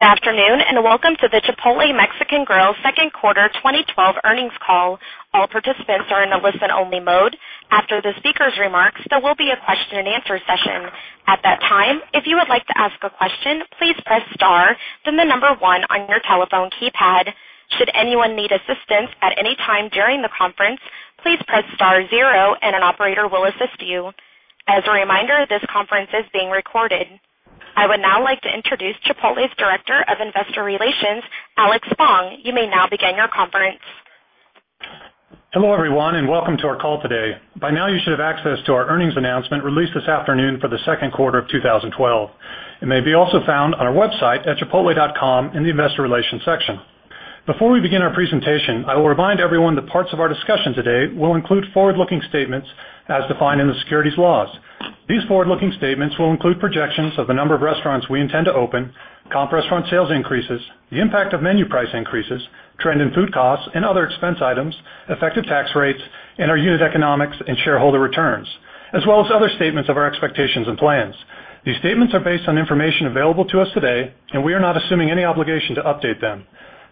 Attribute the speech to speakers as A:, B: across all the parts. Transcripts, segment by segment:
A: Good afternoon. Welcome to the Chipotle Mexican Grill second quarter 2012 earnings call. All participants are in the listen-only mode. After the speakers' remarks, there will be a question and answer session. At that time, if you would like to ask a question, please press star then the number one on your telephone keypad. Should anyone need assistance at any time during the conference, please press star zero and an operator will assist you. As a reminder, this conference is being recorded. I would now like to introduce Chipotle's Director of Investor Relations, Alex Pugh. You may now begin your conference.
B: Hello, everyone. Welcome to our call today. By now you should have access to our earnings announcement released this afternoon for the second quarter of 2012. It may be also found on our website at chipotle.com in the investor relations section. Before we begin our presentation, I will remind everyone that parts of our discussion today will include forward-looking statements as defined in the securities laws. These forward-looking statements will include projections of the number of restaurants we intend to open, comp restaurant sales increases, the impact of menu price increases, trend in food costs, and other expense items, effective tax rates, and our unit economics and shareholder returns, as well as other statements of our expectations and plans. These statements are based on information available to us today. We are not assuming any obligation to update them.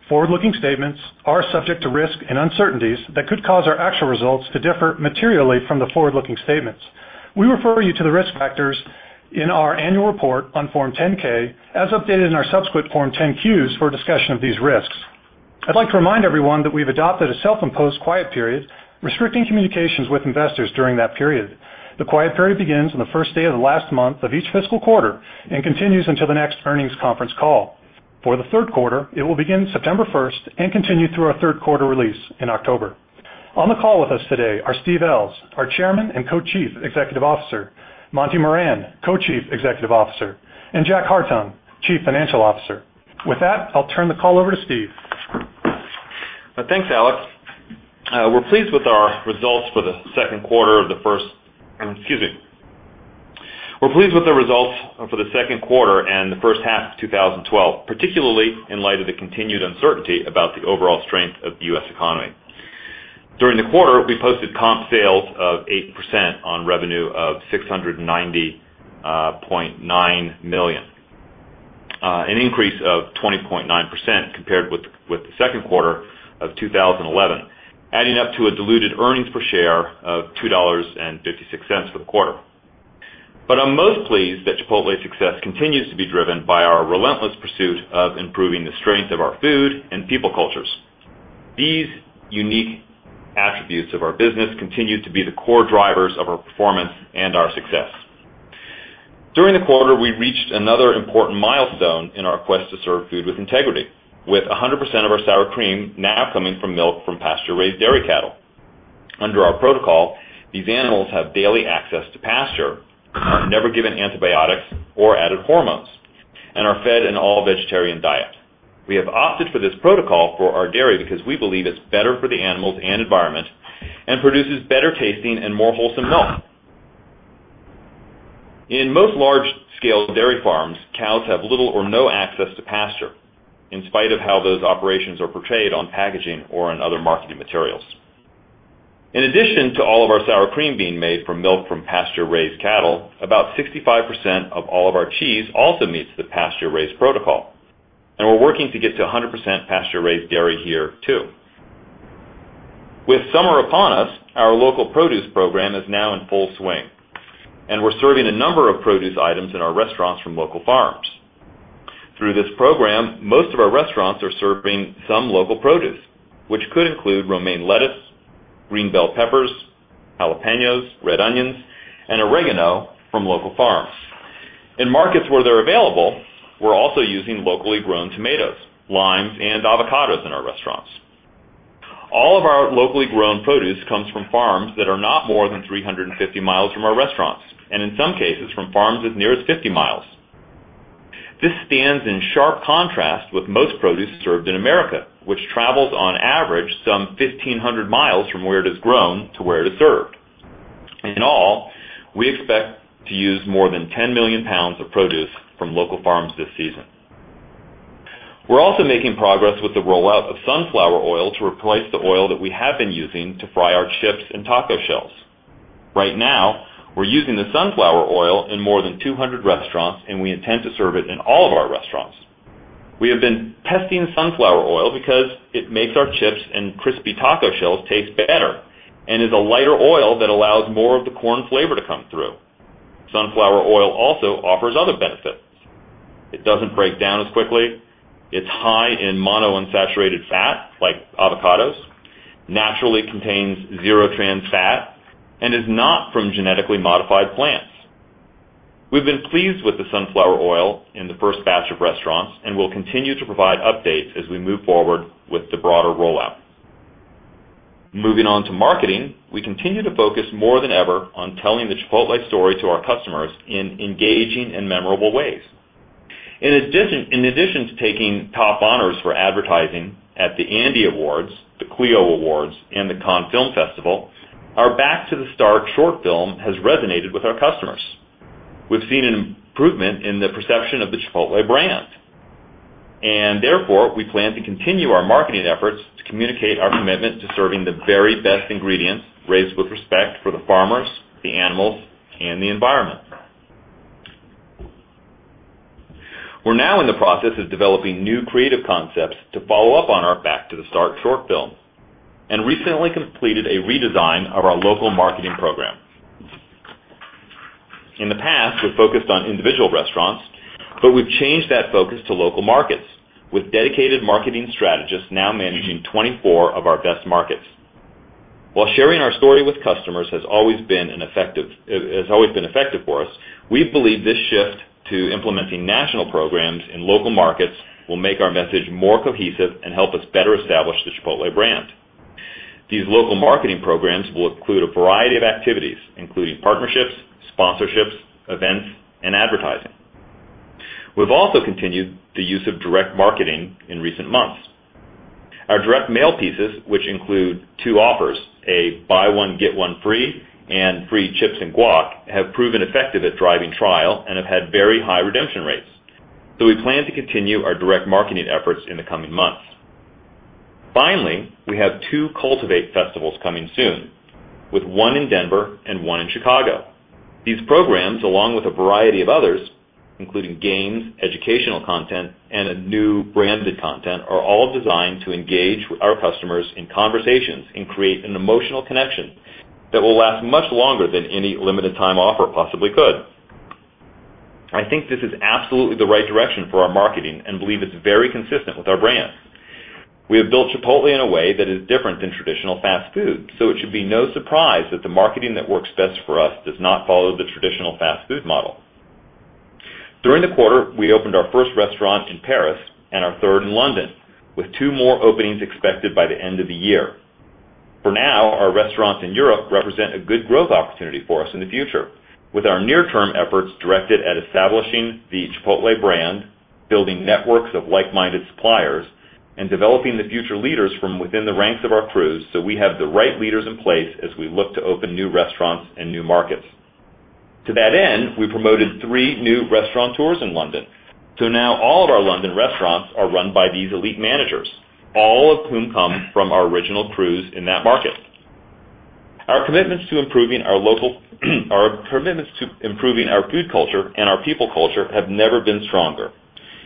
B: Forward-looking statements are subject to risks and uncertainties that could cause our actual results to differ materially from the forward-looking statements. We refer you to the risk factors in our annual report on Form 10-K, as updated in our subsequent Form 10-Qs for a discussion of these risks. I'd like to remind everyone that we've adopted a self-imposed quiet period restricting communications with investors during that period. The quiet period begins on the first day of the last month of each fiscal quarter and continues until the next earnings conference call. For the third quarter, it will begin September 1st and continue through our third quarter release in October. On the call with us today are Steve Ells, our Chairman and Co-Chief Executive Officer, Monty Moran, Co-Chief Executive Officer, and Jack Hartung, Chief Financial Officer. With that, I'll turn the call over to Steve.
C: Thanks, Alex. We're pleased with our results for the second quarter and the first half of 2012, particularly in light of the continued uncertainty about the overall strength of the U.S. economy. During the quarter, we posted comp sales of 8% on revenue of $690.9 million, an increase of 20.9% compared with the second quarter of 2011, adding up to a diluted earnings per share of $2.56 for the quarter. I'm most pleased that Chipotle's success continues to be driven by our relentless pursuit of improving the strength of our food and people cultures. These unique attributes of our business continue to be the core drivers of our performance and our success. During the quarter, we reached another important milestone in our quest to serve food with integrity, with 100% of our sour cream now coming from milk from pasture-raised dairy cattle. Under our protocol, these animals have daily access to pasture, are never given antibiotics or added hormones, and are fed an all-vegetarian diet. We have opted for this protocol for our dairy because we believe it's better for the animals and environment and produces better-tasting and more wholesome milk. In most large-scale dairy farms, cows have little or no access to pasture, in spite of how those operations are portrayed on packaging or in other marketing materials. In addition to all of our sour cream being made from milk from pasture-raised cattle, about 65% of all of our cheese also meets the pasture-raised protocol, and we're working to get to 100% pasture-raised dairy here, too. With summer upon us, our local produce program is now in full swing, and we're serving a number of produce items in our restaurants from local farms. Through this program, most of our restaurants are serving some local produce, which could include romaine lettuce, green bell peppers, jalapeños, red onions, and oregano from local farms. In markets where they're available, we're also using locally grown tomatoes, limes, and avocados in our restaurants. All of our locally grown produce comes from farms that are not more than 350 miles from our restaurants, and in some cases, from farms as near as 50 miles. This stands in sharp contrast with most produce served in America, which travels on average some 1,500 miles from where it is grown to where it is served. In all, we expect to use more than 10 million pounds of produce from local farms this season. We're also making progress with the rollout of sunflower oil to replace the oil that we have been using to fry our chips and taco shells. Right now, we're using the sunflower oil in more than 200 restaurants, and we intend to serve it in all of our restaurants. We have been testing sunflower oil because it makes our chips and crispy taco shells taste better and is a lighter oil that allows more of the corn flavor to come through. Sunflower oil also offers other benefits. It doesn't break down as quickly, it's high in monounsaturated fat, like avocados, naturally contains zero trans fat, and is not from genetically modified plants. We've been pleased with the sunflower oil in the first batch of restaurants and will continue to provide updates as we move forward with the broader rollout. Moving on to marketing, we continue to focus more than ever on telling the Chipotle story to our customers in engaging and memorable ways. In addition to taking top honors for advertising at the ANDY Awards, the Clio Awards, and the Cannes Film Festival, our "Back to the Start" short film has resonated with our customers. We've seen an improvement in the perception of the Chipotle brand, and therefore, we plan to continue our marketing efforts to communicate our commitment to serving the very best ingredients raised with respect for the farmers, the animals, and the environment. We're now in the process of developing new creative concepts to follow up on our Back to the Start short film, and recently completed a redesign of our local marketing program. In the past, we focused on individual restaurants, but we've changed that focus to local markets, with dedicated marketing strategists now managing 24 of our best markets. While sharing our story with customers has always been effective for us, we believe this shift to implementing national programs in local markets will make our message more cohesive and help us better establish the Chipotle brand. These local marketing programs will include a variety of activities, including partnerships, sponsorships, events, and advertising. We've also continued the use of direct marketing in recent months. Our direct mail pieces, which include two offers, a buy one get one free and free chips and guac, have proven effective at driving trial and have had very high redemption rates. We plan to continue our direct marketing efforts in the coming months. Finally, we have two Cultivate festivals coming soon, with one in Denver and one in Chicago. These programs, along with a variety of others, including games, educational content, and a new branded content, are all designed to engage our customers in conversations and create an emotional connection that will last much longer than any limited time offer possibly could. I think this is absolutely the right direction for our marketing and believe it's very consistent with our brand. We have built Chipotle in a way that is different than traditional fast food, so it should be no surprise that the marketing that works best for us does not follow the traditional fast food model. During the quarter, we opened our first restaurant in Paris and our third in London, with two more openings expected by the end of the year. For now, our restaurants in Europe represent a good growth opportunity for us in the future, with our near-term efforts directed at establishing the Chipotle brand, building networks of like-minded suppliers, and developing the future leaders from within the ranks of our crews so we have the right leaders in place as we look to open new restaurants and new markets. To that end, we promoted three new restaurateurs in London. Now all of our London restaurants are run by these elite managers, all of whom come from our original crews in that market. Our commitments to improving our food culture and our people culture have never been stronger,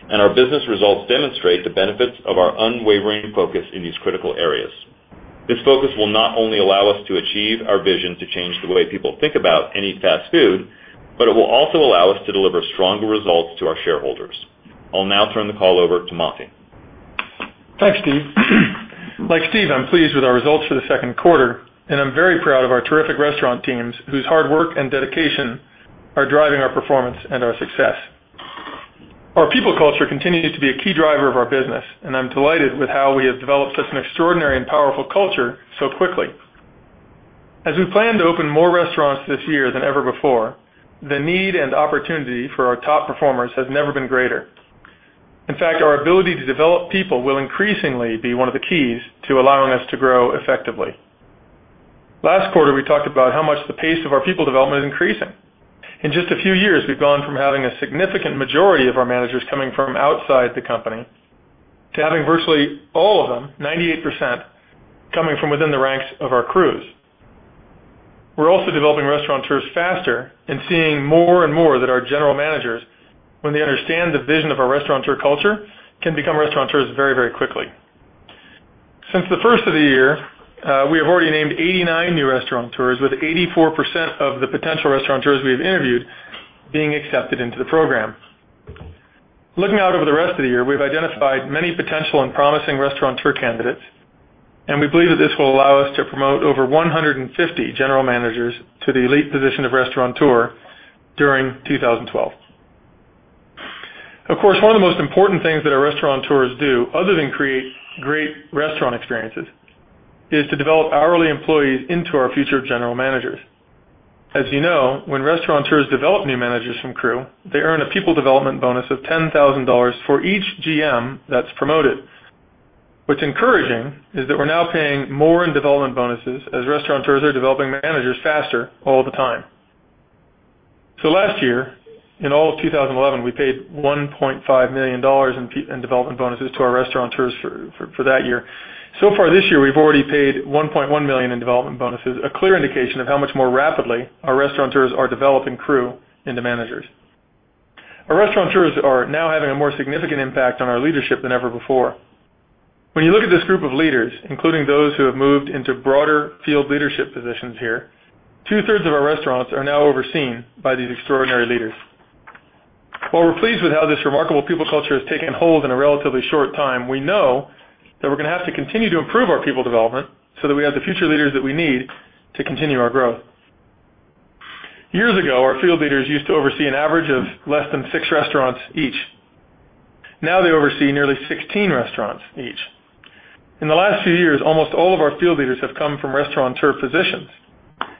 C: and our business results demonstrate the benefits of our unwavering focus in these critical areas. This focus will not only allow us to achieve our vision to change the way people think about any fast food, but it will also allow us to deliver stronger results to our shareholders. I'll now turn the call over to Monty.
D: Thanks, Steve. Like Steve, I'm pleased with our results for the second quarter, and I'm very proud of our terrific restaurant teams whose hard work and dedication are driving our performance and our success. Our people culture continues to be a key driver of our business, and I'm delighted with how we have developed such an extraordinary and powerful culture so quickly. As we plan to open more restaurants this year than ever before, the need and opportunity for our top performers has never been greater. In fact, our ability to develop people will increasingly be one of the keys to allowing us to grow effectively. Last quarter, we talked about how much the pace of our people development is increasing. In just a few years, we've gone from having a significant majority of our managers coming from outside the company, to having virtually all of them, 98%, coming from within the ranks of our crews. We're also developing restaurateurs faster and seeing more and more that our general managers, when they understand the vision of our restaurateur culture, can become restaurateurs very quickly. Since the first of the year, we have already named 89 new restaurateurs, with 84% of the potential restaurateurs we have interviewed being accepted into the program. Looking out over the rest of the year, we've identified many potential and promising restaurateur candidates, we believe that this will allow us to promote over 150 general managers to the elite position of restaurateur during 2012. Of course, one of the most important things that our restaurateurs do, other than create great restaurant experiences, is to develop hourly employees into our future general managers. As you know, when restaurateurs develop new managers from crew, they earn a people development bonus of $10,000 for each GM that's promoted. What's encouraging is that we're now paying more in development bonuses as restaurateurs are developing managers faster all the time. Last year, in all of 2011, we paid $1.5 million in development bonuses to our restaurateurs for that year. So far this year, we've already paid $1.1 million in development bonuses, a clear indication of how much more rapidly our restaurateurs are developing crew into managers. Our restaurateurs are now having a more significant impact on our leadership than ever before. When you look at this group of leaders, including those who have moved into broader field leadership positions here, two-thirds of our restaurants are now overseen by these extraordinary leaders. While we're pleased with how this remarkable people culture has taken hold in a relatively short time, we know that we're going to have to continue to improve our people development so that we have the future leaders that we need to continue our growth. Years ago, our field leaders used to oversee an average of less than six restaurants each. Now they oversee nearly 16 restaurants each. In the last few years, almost all of our field leaders have come from restaurateur positions.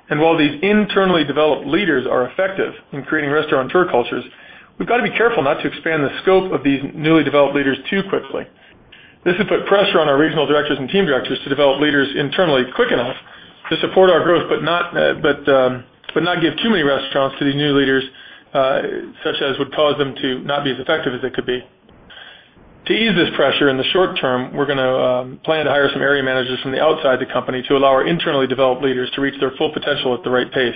D: While these internally developed leaders are effective in creating restaurateur cultures, we've got to be careful not to expand the scope of these newly developed leaders too quickly. This would put pressure on our regional directors and team directors to develop leaders internally quick enough to support our growth, but not give too many restaurants to these new leaders, such as would cause them to not be as effective as they could be. To ease this pressure in the short term, we're going to plan to hire some area managers from outside the company to allow our internally developed leaders to reach their full potential at the right pace.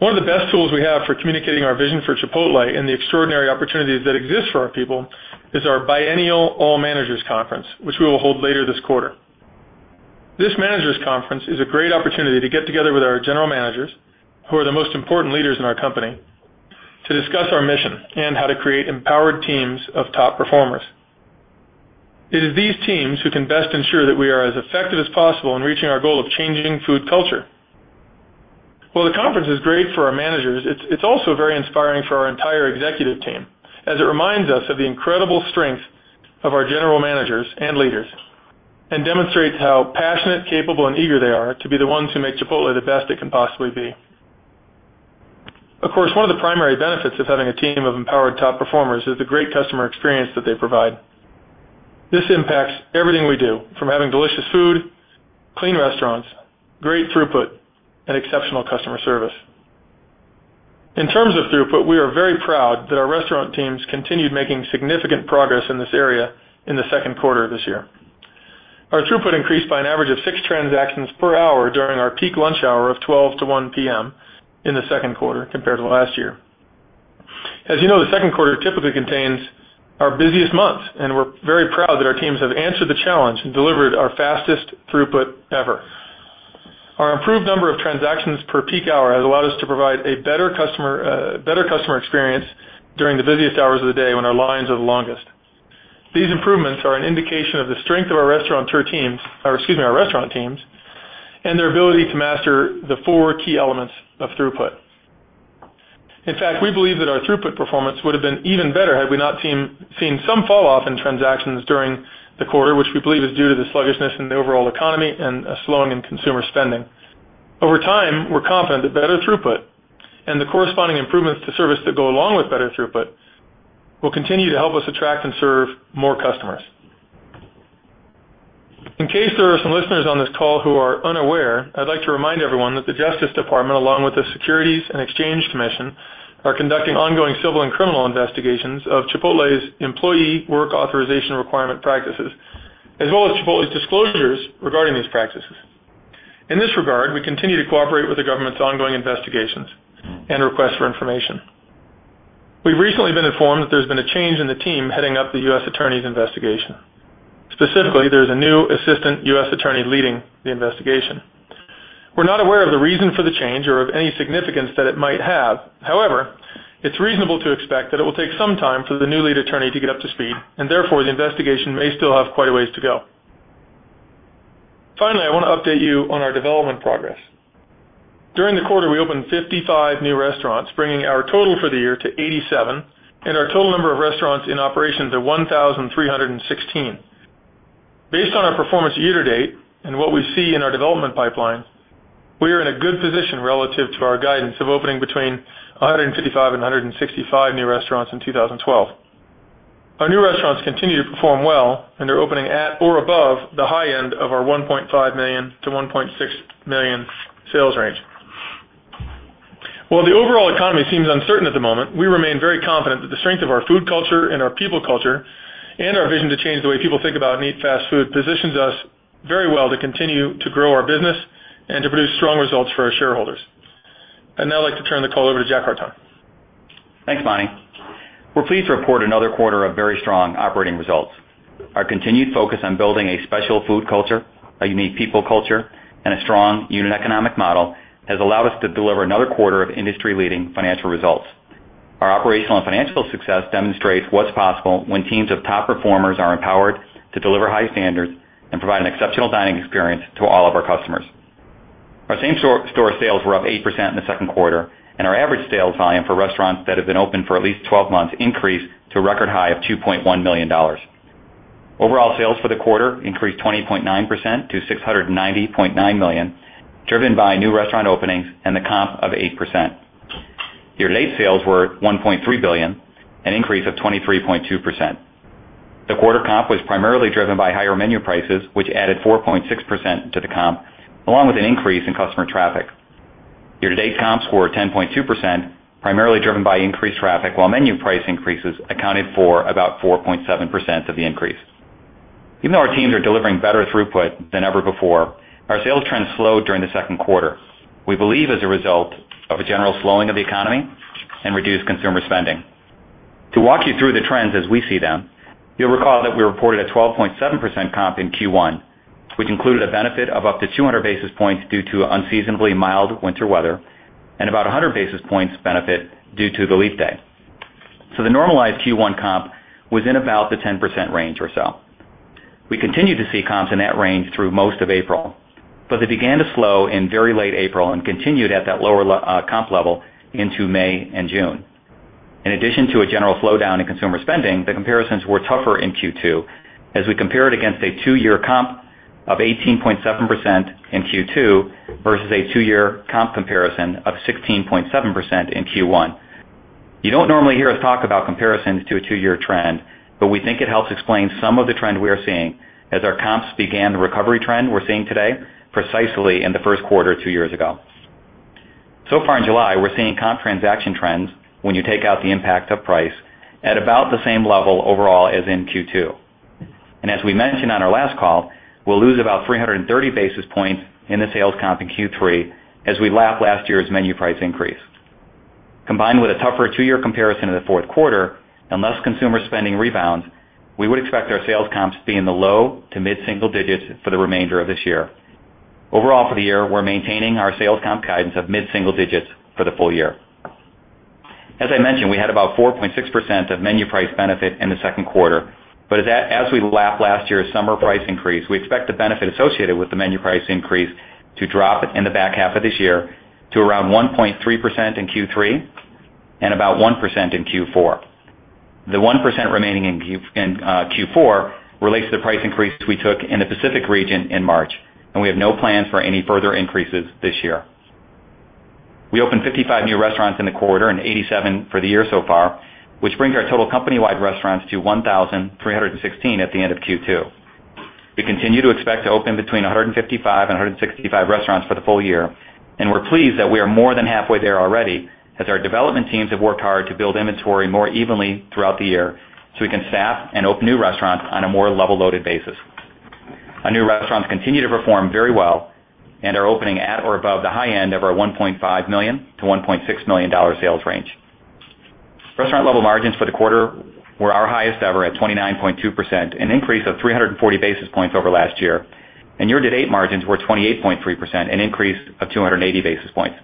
D: One of the best tools we have for communicating our vision for Chipotle and the extraordinary opportunities that exist for our people is our biennial All Managers Conference, which we will hold later this quarter. This Managers Conference is a great opportunity to get together with our general managers, who are the most important leaders in our company, to discuss our mission and how to create empowered teams of top performers. It is these teams who can best ensure that we are as effective as possible in reaching our goal of changing food culture. While the conference is great for our managers, it's also very inspiring for our entire executive team, as it reminds us of the incredible strength of our general managers and leaders, and demonstrates how passionate, capable, and eager they are to be the ones who make Chipotle the best it can possibly be. Of course, one of the primary benefits of having a team of empowered top performers is the great customer experience that they provide. This impacts everything we do from having delicious food, clean restaurants, great throughput, and exceptional customer service. In terms of throughput, we are very proud that our restaurant teams continued making significant progress in this area in the second quarter of this year. Our throughput increased by an average of six transactions per hour during our peak lunch hour of 12 to 1:00 P.M. in the second quarter compared to last year. As you know, the second quarter typically contains our busiest months, and we're very proud that our teams have answered the challenge and delivered our fastest throughput ever. Our improved number of transactions per peak hour has allowed us to provide a better customer experience during the busiest hours of the day when our lines are the longest. These improvements are an indication of the strength of our restaurant teams and their ability to master the four key elements of throughput. In fact, we believe that our throughput performance would have been even better had we not seen some falloff in transactions during the quarter, which we believe is due to the sluggishness in the overall economy and a slowing in consumer spending. Over time, we're confident that better throughput and the corresponding improvements to service that go along with better throughput will continue to help us attract and serve more customers. In case there are some listeners on this call who are unaware, I'd like to remind everyone that the Justice Department, along with the Securities and Exchange Commission, are conducting ongoing civil and criminal investigations of Chipotle's employee work authorization requirement practices, as well as Chipotle's disclosures regarding these practices. In this regard, we continue to cooperate with the government's ongoing investigations and requests for information. We've recently been informed that there's been a change in the team heading up the U.S. Attorney's investigation. Specifically, there's a new assistant U.S. attorney leading the investigation. We're not aware of the reason for the change or of any significance that it might have. However, it's reasonable to expect that it will take some time for the new lead attorney to get up to speed, and therefore, the investigation may still have quite a ways to go. Finally, I want to update you on our development progress. During the quarter, we opened 55 new restaurants, bringing our total for the year to 87, and our total number of restaurants in operation to 1,316. Based on our performance year to date and what we see in our development pipeline, we are in a good position relative to our guidance of opening between 155 and 165 new restaurants in 2012. Our new restaurants continue to perform well, and they're opening at or above the high end of our $1.5 million-$1.6 million sales range. While the overall economy seems uncertain at the moment, we remain very confident that the strength of our food culture and our people culture and our vision to change the way people think about and eat fast food positions us very well to continue to grow our business and to produce strong results for our shareholders. I'd now like to turn the call over to Jack Hartung.
E: Thanks, Monty. We're pleased to report another quarter of very strong operating results. Our continued focus on building a special food culture, a unique people culture, and a strong unit economic model has allowed us to deliver another quarter of industry-leading financial results. Our operational and financial success demonstrates what's possible when teams of top performers are empowered to deliver high standards and provide an exceptional dining experience to all of our customers. Our same-store sales were up 8% in the second quarter, and our average sales volume for restaurants that have been open for at least 12 months increased to a record high of $2.1 million. Overall sales for the quarter increased 20.9% to $690.9 million, driven by new restaurant openings and the comp of 8%. Year-to-date sales were $1.3 billion, an increase of 23.2%. The quarter comp was primarily driven by higher menu prices, which added 4.6% to the comp, along with an increase in customer traffic. Year-to-date comps were 10.2%, primarily driven by increased traffic, while menu price increases accounted for about 4.7% of the increase. Even though our teams are delivering better throughput than ever before, our sales trends slowed during the second quarter. We believe as a result of a general slowing of the economy and reduced consumer spending. To walk you through the trends as we see them, you'll recall that we reported a 12.7% comp in Q1, which included a benefit of up to 200 basis points due to unseasonably mild winter weather and about 100 basis points benefit due to the leap day. The normalized Q1 comp was in about the 10% range or so. We continued to see comps in that range through most of April, but they began to slow in very late April and continued at that lower comp level into May and June. In addition to a general slowdown in consumer spending, the comparisons were tougher in Q2, as we compared against a two-year comp of 18.7% in Q2 versus a two-year comp comparison of 16.7% in Q1. You don't normally hear us talk about comparisons to a two-year trend, but we think it helps explain some of the trend we are seeing as our comps began the recovery trend we're seeing today precisely in the first quarter two years ago. So far in July, we're seeing comp transaction trends, when you take out the impact of price, at about the same level overall as in Q2. As we mentioned on our last call, we'll lose about 330 basis points in the sales comp in Q3 as we lap last year's menu price increase. Combined with a tougher two-year comparison in the fourth quarter, unless consumer spending rebounds, we would expect our sales comps to be in the low to mid-single digits for the remainder of this year. Overall for the year, we're maintaining our sales comp guidance of mid-single digits for the full year. As I mentioned, we had about 4.6% of menu price benefit in the second quarter. As we lap last year's summer price increase, we expect the benefit associated with the menu price increase to drop in the back half of this year to around 1.3% in Q3 and about 1% in Q4. The 1% remaining in Q4 relates to the price increase we took in the Pacific region in March, and we have no plans for any further increases this year. We opened 55 new restaurants in the quarter and 87 for the year so far, which brings our total company-wide restaurants to 1,316 at the end of Q2. We continue to expect to open between 155 and 165 restaurants for the full year, and we're pleased that we are more than halfway there already, as our development teams have worked hard to build inventory more evenly throughout the year, so we can staff and open new restaurants on a more level-loaded basis. Our new restaurants continue to perform very well and are opening at or above the high end of our $1.5 million-$1.6 million sales range. Restaurant level margins for the quarter were our highest ever at 29.2%, an increase of 340 basis points over last year, and year-to-date margins were 28.3%, an increase of 280 basis points.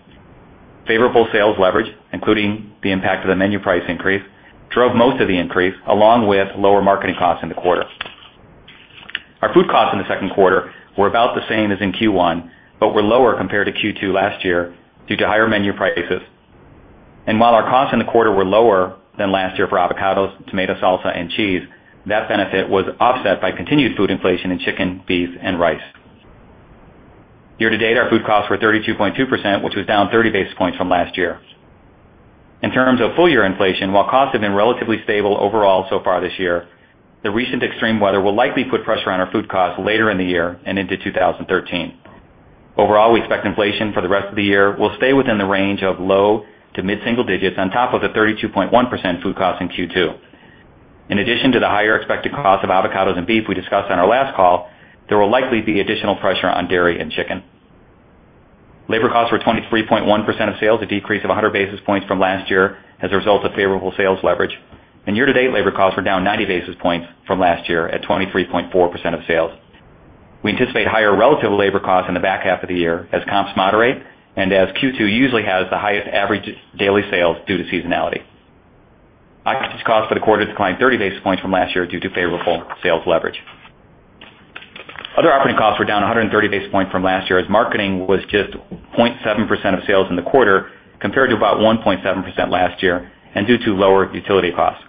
E: Favorable sales leverage, including the impact of the menu price increase, drove most of the increase, along with lower marketing costs in the quarter. Our food costs in the second quarter were about the same as in Q1, but were lower compared to Q2 last year due to higher menu prices. While our costs in the quarter were lower than last year for avocados, tomato salsa, and cheese, that benefit was offset by continued food inflation in chicken, beef, and rice. Year to date, our food costs were 32.2%, which was down 30 basis points from last year. In terms of full year inflation, while costs have been relatively stable overall so far this year, the recent extreme weather will likely put pressure on our food costs later in the year and into 2013. Overall, we expect inflation for the rest of the year will stay within the range of low to mid-single digits on top of the 32.1% food cost in Q2. In addition to the higher expected cost of avocados and beef we discussed on our last call, there will likely be additional pressure on dairy and chicken. Labor costs were 23.1% of sales, a decrease of 100 basis points from last year as a result of favorable sales leverage. Year-to-date labor costs were down 90 basis points from last year at 23.4% of sales. We anticipate higher relative labor costs in the back half of the year as comps moderate and as Q2 usually has the highest average daily sales due to seasonality. costs for the quarter declined 30 basis points from last year due to favorable sales leverage. Other operating costs were down 130 basis points from last year as marketing was just 0.7% of sales in the quarter, compared to about 1.7% last year, and due to lower utility costs.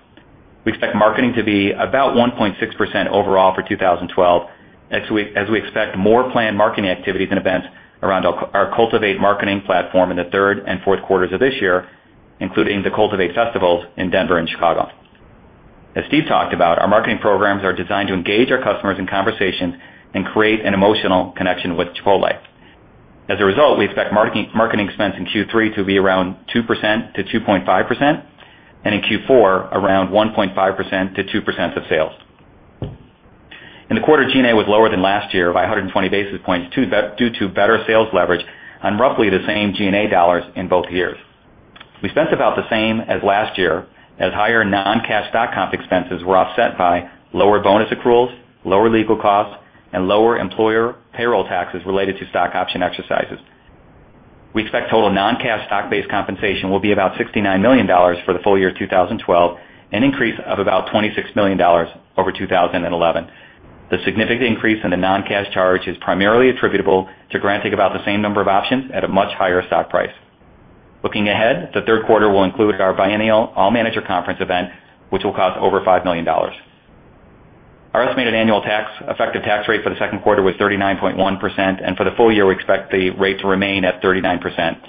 E: We expect marketing to be about 1.6% overall for 2012, as we expect more planned marketing activities and events around our Cultivate marketing platform in the third and fourth quarters of this year, including the Cultivate festivals in Denver and Chicago. As Steve talked about, our marketing programs are designed to engage our customers in conversations and create an emotional connection with Chipotle. As a result, we expect marketing expense in Q3 to be around 2%-2.5%, and in Q4, around 1.5%-2% of sales. In the quarter, G&A was lower than last year by 120 basis points due to better sales leverage on roughly the same G&A dollars in both years. We spent about the same as last year, as higher non-cash stock comp expenses were offset by lower bonus accruals, lower legal costs, and lower employer payroll taxes related to stock option exercises. We expect total non-cash stock-based compensation will be about $69 million for the full year 2012, an increase of about $26 million over 2011. The significant increase in the non-cash charge is primarily attributable to granting about the same number of options at a much higher stock price. Looking ahead, the third quarter will include our biennial all-manager conference event, which will cost over $5 million. Our estimated annual effective tax rate for the second quarter was 39.1%, and for the full year, we expect the rate to remain at 39%.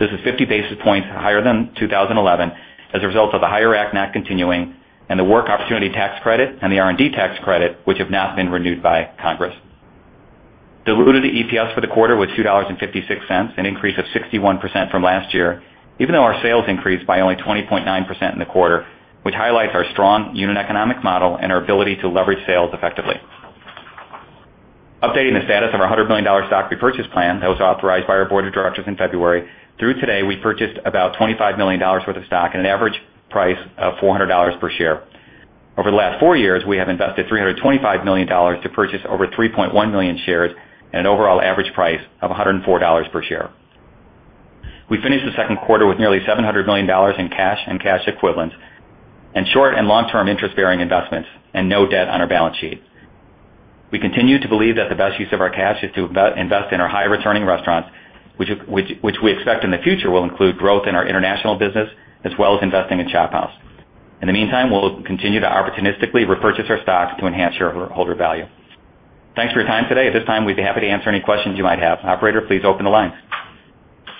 E: This is 50 basis points higher than 2011 as a result of the higher ACT not continuing and the Work Opportunity Tax Credit and the R&D Tax Credit, which have not been renewed by Congress. Diluted EPS for the quarter was $2.56, an increase of 61% from last year, even though our sales increased by only 20.9% in the quarter, which highlights our strong unit economic model and our ability to leverage sales effectively. Updating the status of our $100 million stock repurchase plan that was authorized by our board of directors in February, through today, we've purchased about $25 million worth of stock at an average price of $400 per share. Over the last four years, we have invested $325 million to purchase over 3.1 million shares at an overall average price of $104 per share. We finished the second quarter with nearly $700 million in cash and cash equivalents and short and long-term interest-bearing investments and no debt on our balance sheet. We continue to believe that the best use of our cash is to invest in our high-returning restaurants, which we expect in the future will include growth in our international business, as well as investing in ShopHouse. In the meantime, we'll continue to opportunistically repurchase our stocks to enhance shareholder value. Thanks for your time today. At this time, we'd be happy to answer any questions you might have. Operator, please open the lines.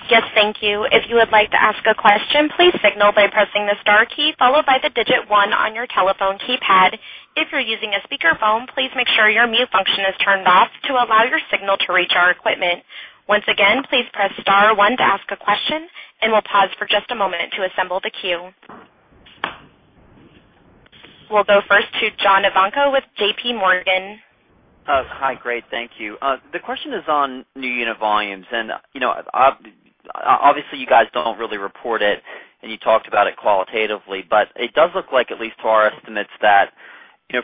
A: Yes, thank you. If you would like to ask a question, please signal by pressing the star key followed by the digit one on your telephone keypad. If you're using a speakerphone, please make sure your mute function is turned off to allow your signal to reach our equipment. Once again, please press star one to ask a question, and we'll pause for just a moment to assemble the queue.
D: We'll go first to John Ivankoe with JPMorgan.
F: Hi. Great. Thank you. The question is on new unit volumes. Obviously, you guys don't really report it. You talked about it qualitatively, but it does look like, at least to our estimates, that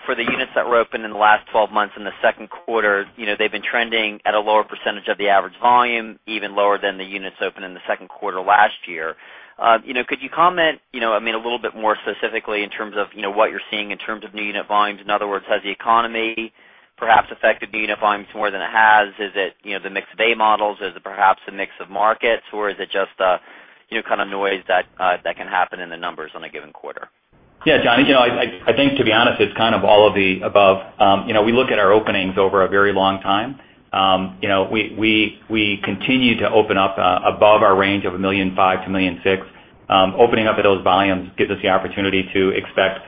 F: for the units that were open in the last 12 months in the second quarter, they've been trending at a lower percentage of the average volume, even lower than the units opened in the second quarter last year. Could you comment, a little bit more specifically in terms of what you're seeing in terms of new unit volumes? In other words, has the economy perhaps affected new unit volumes more than it has? Is it the mix of day models? Is it perhaps the mix of markets, or is it just kind of noise that can happen in the numbers on a given quarter?
E: John, I think to be honest, it's kind of all of the above. We look at our openings over a very long time. We continue to open up above our range of $1.5 million to $1.6 million. Opening up at those volumes gives us the opportunity to expect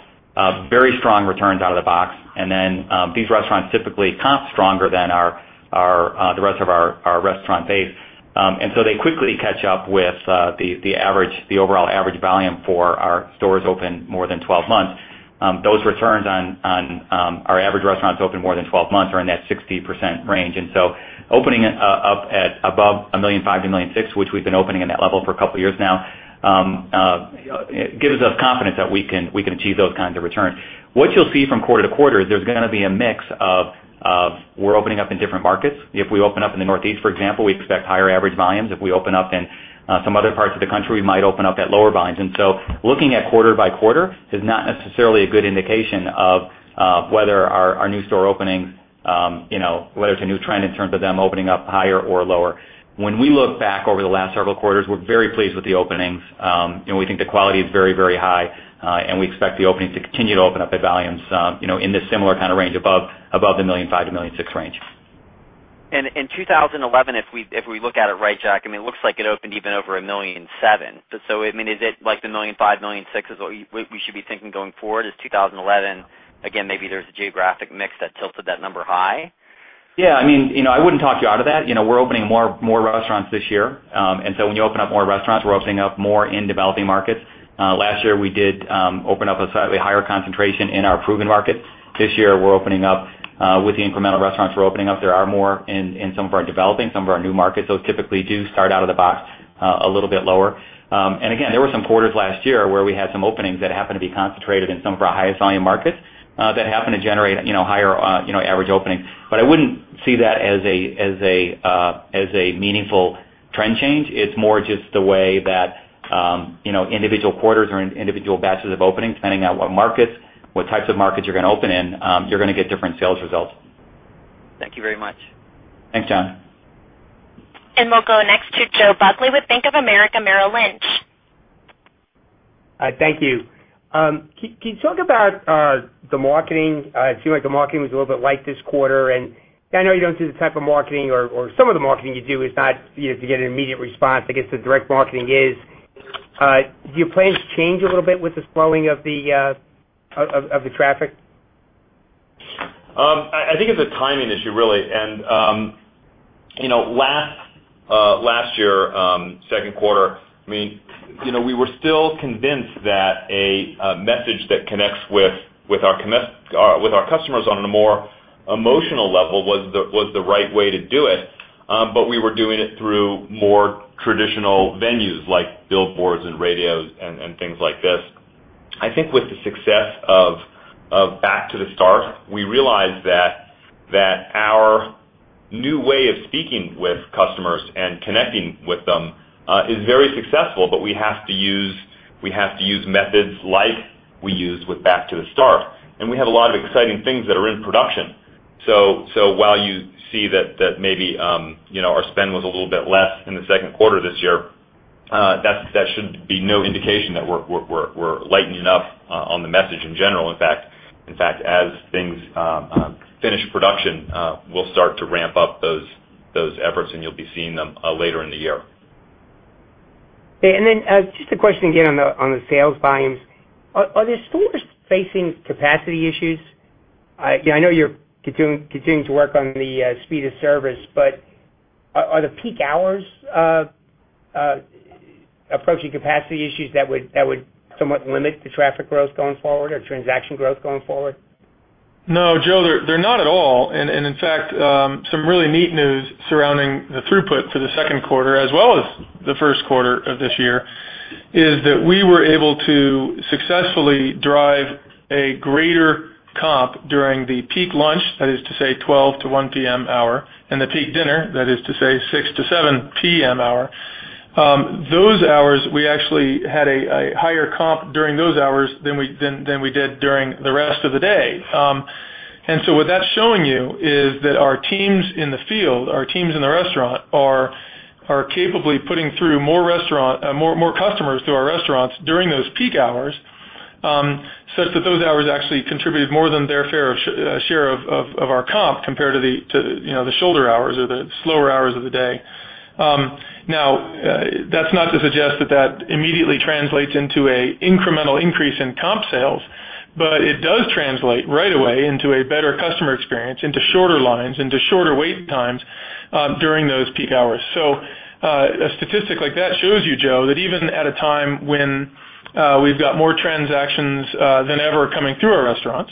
E: very strong returns out of the box, and then these restaurants typically comp stronger than the rest of our restaurant base. They quickly catch up with the overall average volume for our stores open more than 12 months. Those returns on our average restaurants open more than 12 months are in that 60% range. Opening up at above $1.5 million to $1.6 million, which we've been opening in that level for a couple of years now, gives us confidence that we can achieve those kinds of returns. What you'll see from quarter to quarter, there's going to be a mix of we're opening up in different markets. If we open up in the Northeast, for example, we expect higher average volumes. If we open up in some other parts of the country, we might open up at lower volumes. Looking at quarter by quarter is not necessarily a good indication of whether our new store openings, whether it's a new trend in terms of them opening up higher or lower. When we look back over the last several quarters, we're very pleased with the openings. We think the quality is very high, and we expect the openings to continue to open up at volumes in this similar kind of range, above the $1.5 million to $1.6 million range.
F: In 2011, if we look at it right, Jack, it looks like it opened even over $1.7 million. Is it like the $1.5 million, $1.6 million is what we should be thinking going forward? Is 2011, again, maybe there's a geographic mix that tilted that number high?
E: I wouldn't talk you out of that. We're opening more restaurants this year. When you open up more restaurants, we're opening up more in developing markets. Last year, we did open up a slightly higher concentration in our proven markets. This year, with the incremental restaurants we're opening up, there are more in some of our developing, some of our new markets. Those typically do start out of the box a little bit lower. Again, there were some quarters last year where we had some openings that happened to be concentrated in some of our highest volume markets that happened to generate higher average openings. I wouldn't see that as a meaningful trend change. It's more just the way that individual quarters or individual batches of openings, depending on what types of markets you're going to open in, you're going to get different sales results.
F: Thank you very much.
E: Thanks, John.
D: We'll go next to Joe Buckley with Bank of America Merrill Lynch.
G: Thank you. Can you talk about the marketing? It seemed like the marketing was a little bit light this quarter. I know you don't do the type of marketing, or some of the marketing you do is not to get an immediate response, I guess, to direct marketing. Do your plans change a little bit with the slowing of the traffic?
E: I think it's a timing issue, really. Last year, second quarter, we were still convinced that a message that connects with our customers on a more emotional level was the right way to do it, but we were doing it through more traditional venues like billboards and radios and things like this. I think with the success of Back to the Start, we realized that our new way of speaking with customers and connecting with them is very successful, but we have to use methods like we used with Back to the Start. We have a lot of exciting things that are in production. While you see that maybe our spend was a little bit less in the second quarter this year, that should be no indication that we're lightening up on the message in general. In fact, as things finish production, we'll start to ramp up those efforts, and you'll be seeing them later in the year.
G: Okay. Then just a question again on the sales volumes. Are the stores facing capacity issues? I know you're continuing to work on the speed of service, but are the peak hours approaching capacity issues that would somewhat limit the traffic growth going forward or transaction growth going forward?
D: No, Joe, they're not at all. In fact, some really neat news surrounding the throughput for the second quarter as well as the first quarter of this year is that we were able to successfully drive a greater comp during the peak lunch, that is to say, 12:00 P.M. to 1:00 P.M. hour, and the peak dinner, that is to say, 6:00 P.M. to 7:00 P.M. hour. Those hours, we actually had a higher comp during those hours than we did during the rest of the day. What that's showing you is that our teams in the field, our teams in the restaurant, are capably putting through more customers through our restaurants during those peak hours, such that those hours actually contributed more than their fair share of our comp compared to the shoulder hours or the slower hours of the day. That's not to suggest that immediately translates into an incremental increase in comp sales, but it does translate right away into a better customer experience, into shorter lines, into shorter wait times during those peak hours. A statistic like that shows you, Joe, that even at a time when we've got more transactions than ever coming through our restaurants,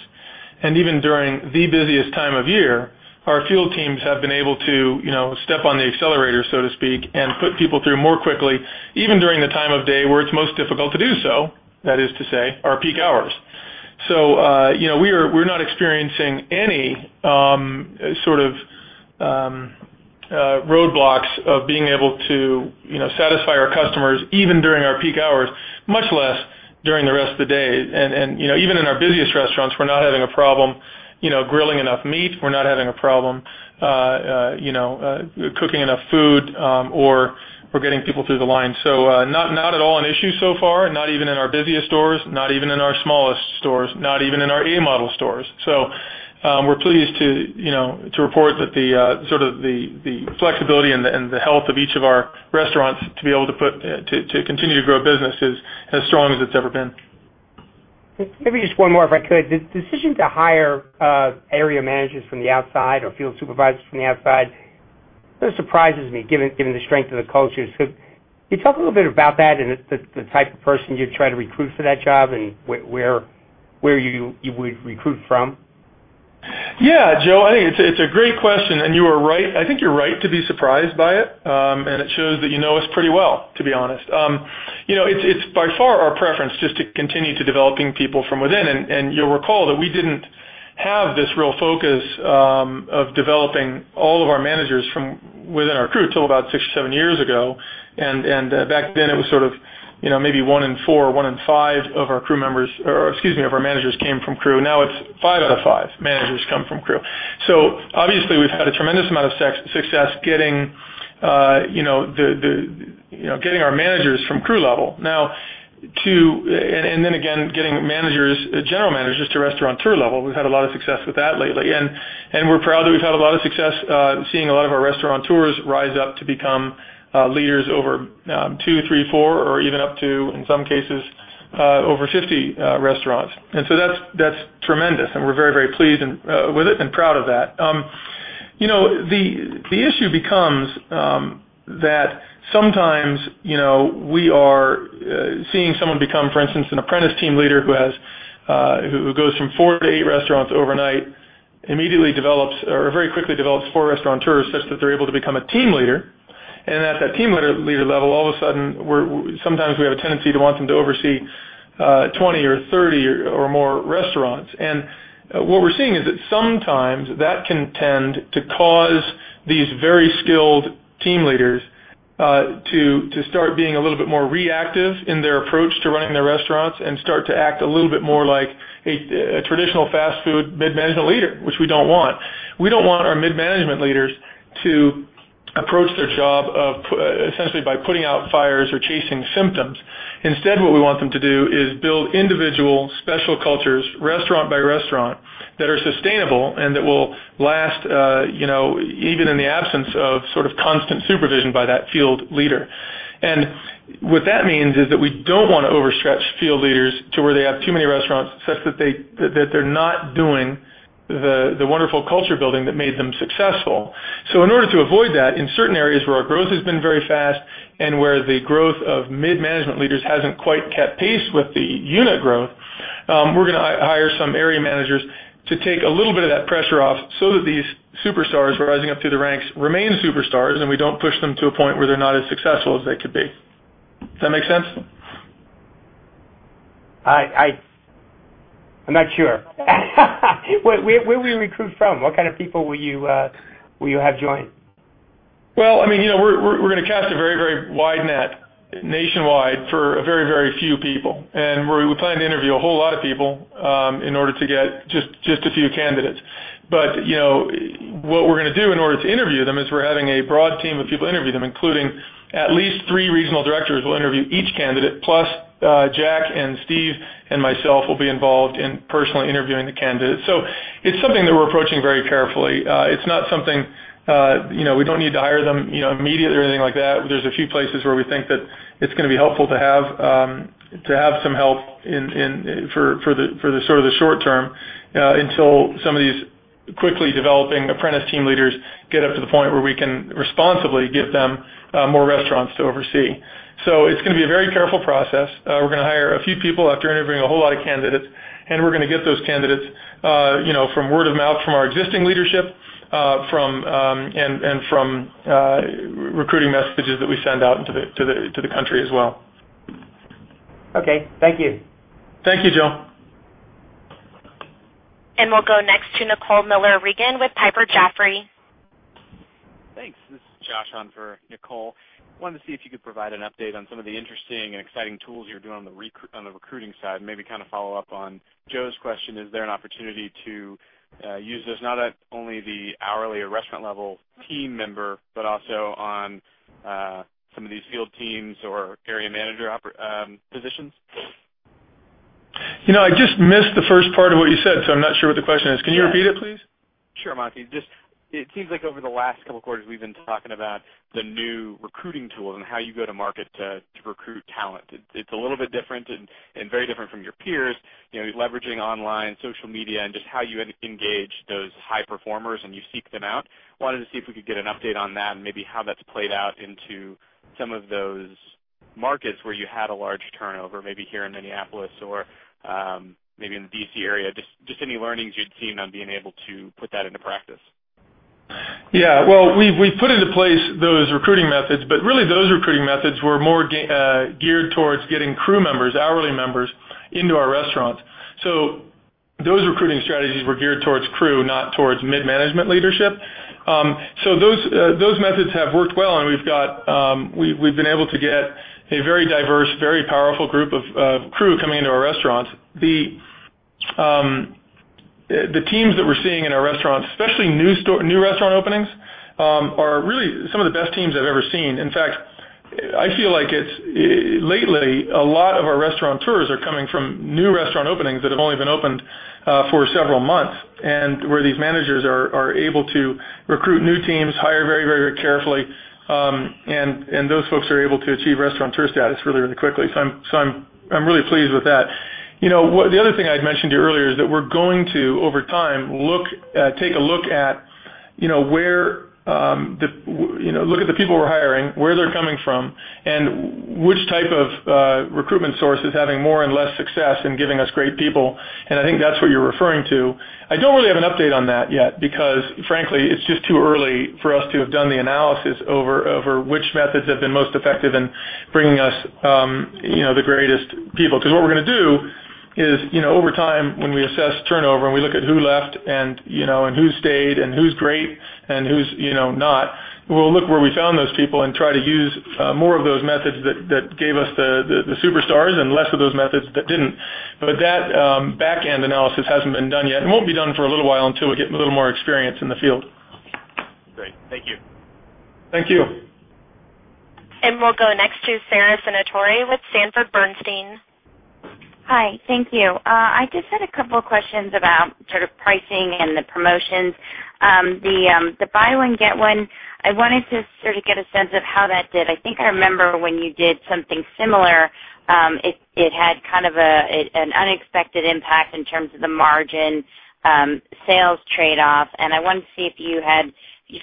D: and even during the busiest time of year, our field teams have been able to step on the accelerator, so to speak, and put people through more quickly, even during the time of day where it's most difficult to do so, that is to say, our peak hours. We're not experiencing any sort of roadblocks of being able to satisfy our customers even during our peak hours, much less during the rest of the day. Even in our busiest restaurants, we're not having a problem grilling enough meat, we're not having a problem cooking enough food, or we're getting people through the line. Not at all an issue so far, not even in our busiest stores, not even in our smallest stores, not even in our A-model stores. We're pleased to report that the flexibility and the health of each of our restaurants to be able to continue to grow business is as strong as it's ever been.
G: Maybe just one more, if I could. The decision to hire area managers from the outside or field supervisors from the outside, that surprises me, given the strength of the culture. Can you talk a little bit about that and the type of person you try to recruit for that job and where you would recruit from?
D: Joe, I think it's a great question, and I think you're right to be surprised by it, and it shows that you know us pretty well, to be honest. It's by far our preference just to continue to developing people from within, and you'll recall that we didn't have this real focus of developing all of our managers from within our crew until about six or seven years ago, and back then, it was maybe one in four or one in five of our crew members, or excuse me, of our managers came from crew. Now it's five out of five managers come from crew. Obviously, we've had a tremendous amount of success getting our managers from crew level. Then again, getting general managers to restaurateur level. We've had a lot of success with that lately, we're proud that we've had a lot of success seeing a lot of our restaurateurs rise up to become leaders over two, three, four, or even up to, in some cases, over 50 restaurants. That's tremendous, and we're very pleased with it and proud of that. The issue becomes that sometimes we are seeing someone become, for instance, an apprentice team leader who goes from four to eight restaurants overnight, immediately develops or very quickly develops four restaurateurs such that they're able to become a team leader, and at that team leader level, all of a sudden, sometimes we have a tendency to want them to oversee 20 or 30 or more restaurants. What we're seeing is that sometimes that can tend to cause these very skilled team leaders to start being a little bit more reactive in their approach to running their restaurants and start to act a little bit more like a traditional fast food mid-management leader, which we don't want. We don't want our mid-management leaders to approach their job essentially by putting out fires or chasing symptoms. Instead, what we want them to do is build individual special cultures, restaurant by restaurant, that are sustainable and that will last even in the absence of constant supervision by that field leader. What that means is that we don't want to overstretch field leaders to where they have too many restaurants, such that they're not doing the wonderful culture building that made them successful. In order to avoid that, in certain areas where our growth has been very fast and where the growth of mid-management leaders hasn't quite kept pace with the unit growth, we're going to hire some area managers to take a little bit of that pressure off so that these superstars rising up through the ranks remain superstars, and we don't push them to a point where they're not as successful as they could be. Does that make sense?
G: I'm not sure. Where will you recruit from? What kind of people will you have join?
D: We're going to cast a very wide net nationwide for a very few people. We plan to interview a whole lot of people in order to get just a few candidates. What we're going to do in order to interview them is we're having a broad team of people interview them, including at least three regional directors will interview each candidate, plus Jack and Steve and myself will be involved in personally interviewing the candidates. It's something that we're approaching very carefully. We don't need to hire them immediately or anything like that, but there's a few places where we think that it's going to be helpful to have some help for the short term until some of these quickly developing apprentice team leaders get up to the point where we can responsibly give them more restaurants to oversee. It's going to be a very careful process. We're going to hire a few people after interviewing a whole lot of candidates. We're going to get those candidates from word of mouth from our existing leadership and from recruiting messages that we send out into the country as well.
G: Okay. Thank you.
D: Thank you, Joe.
A: We'll go next to Nicole Miller Regan with Piper Jaffray.
H: Thanks. This is Josh on for Nicole. I wanted to see if you could provide an update on some of the interesting and exciting tools you're doing on the recruiting side, and maybe kind of follow up on Joe's question, is there an opportunity to use this not at only the hourly or restaurant level team member, but also on some of these field teams or area manager positions?
D: I just missed the first part of what you said, so I'm not sure what the question is. Can you repeat it, please?
H: Sure, Monty. It seems like over the last couple of quarters, we've been talking about the new recruiting tools and how you go to market to recruit talent. It's a little bit different and very different from your peers, leveraging online, social media, and just how you engage those high performers and you seek them out. I wanted to see if we could get an update on that and maybe how that's played out into some of those markets where you had a large turnover, maybe here in Minneapolis or maybe in the D.C. area. Just any learnings you'd seen on being able to put that into practice.
D: Yeah. Well, we've put into place those recruiting methods. Really those recruiting methods were more geared towards getting crew members, hourly members into our restaurants. Those recruiting strategies were geared towards crew, not towards mid-management leadership. Those methods have worked well, and we've been able to get a very diverse, very powerful group of crew coming into our restaurants. The teams that we're seeing in our restaurants, especially new restaurant openings, are really some of the best teams I've ever seen. In fact, I feel like lately, a lot of our restaurateurs are coming from new restaurant openings that have only been opened for several months, and where these managers are able to recruit new teams, hire very carefully, and those folks are able to achieve restaurateur status really quickly. I'm really pleased with that. The other thing I had mentioned to you earlier is that we're going to, over time, take a look at the people we're hiring, where they're coming from, and which type of recruitment source is having more and less success in giving us great people. I think that's what you're referring to. I don't really have an update on that yet because frankly, it's just too early for us to have done the analysis over which methods have been most effective in bringing us the greatest people. What we're going to do is, over time, when we assess turnover and we look at who left and who stayed and who's great and who's not, we'll look where we found those people and try to use more of those methods that gave us the superstars and less of those methods that didn't. That back-end analysis hasn't been done yet, and won't be done for a little while until we get a little more experience in the field.
H: Great. Thank you.
D: Thank you.
A: We'll go next to Sara Senatore with Sanford C. Bernstein.
I: Hi. Thank you. I just had a couple questions about sort of pricing and the promotions. The buy one, get one, I wanted to sort of get a sense of how that did. I think I remember when you did something similar, it had kind of an unexpected impact in terms of the margin sales trade-off, I wanted to see if you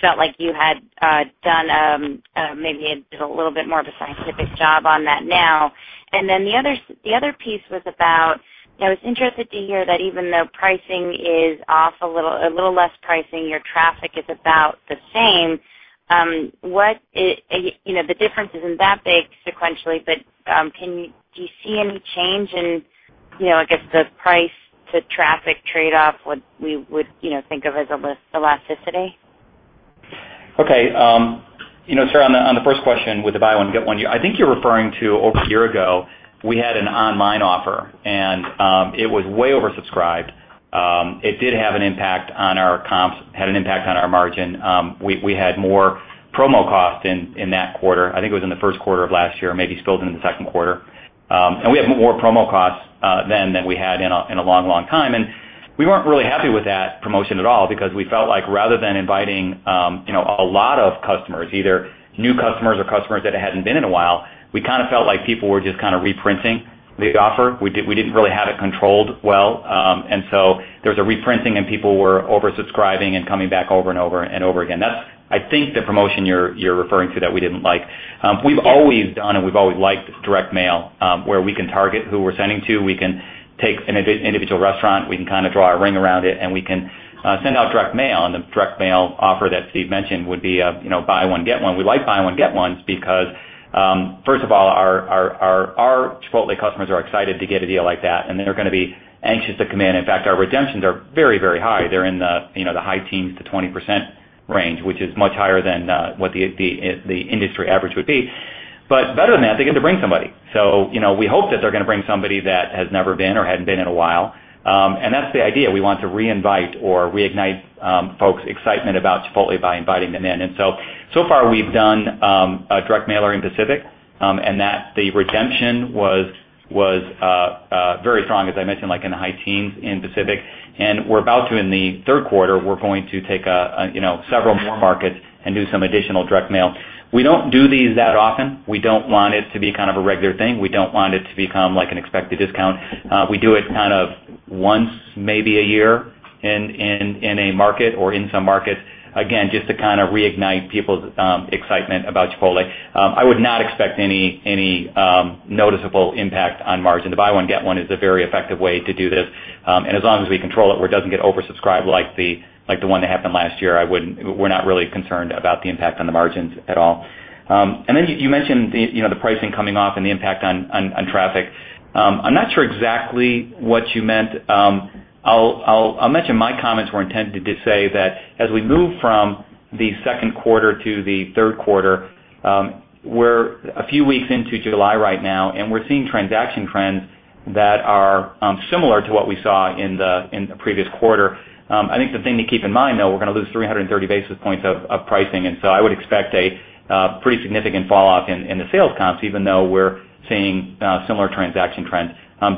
I: felt like you had done maybe a little bit more of a scientific job on that now. Then the other piece was about, I was interested to hear that even though pricing is off a little, a little less pricing, your traffic is about the same. The difference isn't that big sequentially, but do you see any change in, I guess, the price to traffic trade-off, what we would think of as elasticity?
D: Okay. Sara, on the first question with the buy one, get one, I think you're referring to over a year ago, we had an online offer, it was way oversubscribed. It did have an impact on our comps, had an impact on our margin. We had more promo costs in that quarter. I think it was in the first quarter of last year, maybe spilled into the second quarter. We had more promo costs then than we had in a long time, we weren't really happy with that promotion at all because we felt like rather than inviting a lot of customers, either new customers or customers that hadn't been in a while, we kind of felt like people were just kind of reprinting the offer. We didn't really have it controlled well. There was a reprinting, and people were oversubscribing and coming back over and over again. That's, I think, the promotion you're referring to that we didn't like. We've always done and we've always liked direct mail, where we can target who we're sending to. We can take an individual restaurant, we can kind of draw a ring around it, and we can send out direct mail. The direct mail offer that Steve mentioned would be buy one, get one. We like buy one, get ones because, first of all, our Chipotle customers are excited to get a deal like that, and they're going to be anxious to come in. In fact, our redemptions are very high. They're in the high teens to 20% range, which is much higher than what the industry average would be. Better than that, they get to bring somebody. We hope that they're going to bring somebody that has never been or hadn't been in a while. That's the idea. We want to reinvite or reignite folks' excitement about Chipotle by inviting them in. So far, we've done a direct mailer in Pacific, and the redemption was very strong, as I mentioned, like in the high teens in Pacific, and we're about to in the third quarter, we're going to take several more markets and do some additional direct mail. We don't do these that often. We don't want it to be kind of a regular thing. We don't want it to become like an expected discount. We do it kind of once maybe a year in a market or in some markets, again, just to kind of reignite people's excitement about Chipotle. I would not expect any noticeable impact on margin. The buy one, get one is a very effective way to do this. As long as we control it, where it doesn't get oversubscribed like the one that happened last year, we're not really concerned about the impact on the margins at all. You mentioned the pricing coming off and the impact on traffic. I'm not sure exactly what you meant. I'll mention my comments were intended to say that as we move from the second quarter to the third quarter, we're a few weeks into July right now, and we're seeing transaction trends that are similar to what we saw in the previous quarter. I think the thing to keep in mind, though, we're going to lose 330 basis points of pricing. I would expect a pretty significant fall off in the sales comps, even though we're seeing similar transaction trends.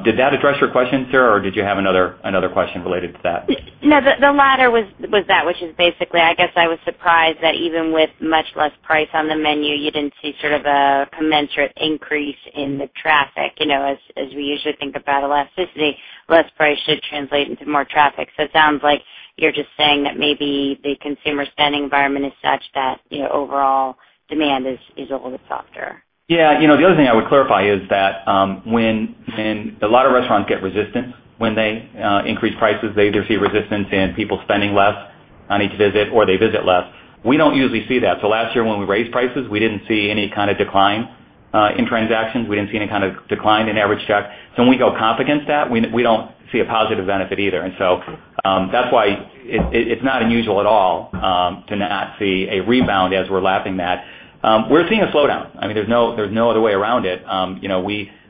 D: Did that address your question, Sara, or did you have another question related to that?
I: The latter was that, which is basically, I guess I was surprised that even with much less price on the menu, you didn't see sort of a commensurate increase in the traffic. As we usually think about elasticity, less price should translate into more traffic. It sounds like you're just saying that maybe the consumer spending environment is such that overall demand is a little bit softer.
D: Yeah. The other thing I would clarify is that a lot of restaurants get resistance when they increase prices. They either see resistance in people spending less
E: On each visit or they visit less. We don't usually see that. Last year when we raised prices, we didn't see any kind of decline in transactions. We didn't see any kind of decline in average check. When we go comp against that, we don't see a positive benefit either. That's why it's not unusual at all to not see a rebound as we're lapping that. We're seeing a slowdown. There's no other way around it.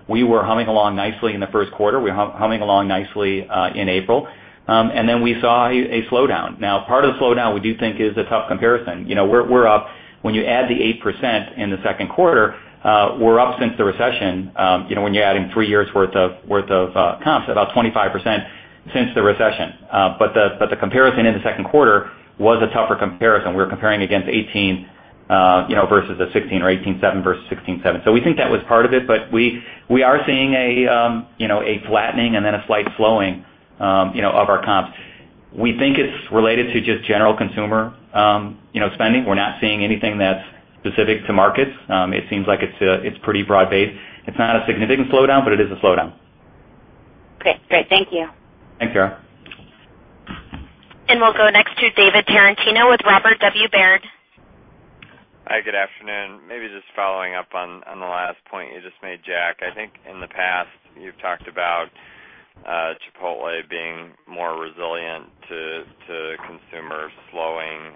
E: We were humming along nicely in the first quarter. We're humming along nicely in April. Part of the slowdown, we do think is a tough comparison. When you add the 8% in the second quarter, we're up since the recession, when you're adding three years' worth of comps, about 25% since the recession. The comparison in the second quarter was a tougher comparison. We're comparing against 18 versus the 16 or 18.7 versus 16.7. We think that was part of it, but we are seeing a flattening and then a slight slowing of our comps. We think it's related to just general consumer spending. We're not seeing anything that's specific to markets. It seems like it's pretty broad-based. It's not a significant slowdown, but it is a slowdown.
I: Okay, great. Thank you.
E: Thanks, Sara.
A: We'll go next to David Tarantino with Robert W. Baird & Co.
J: Hi, good afternoon. Maybe just following up on the last point you just made, Jack. I think in the past you've talked about Chipotle being more resilient to consumer slowing